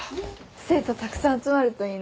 生徒たくさん集まるといいね。